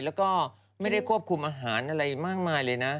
แล้วก็ไม่ได้ควบคุมอาหารอะไรมากมายเลยนะ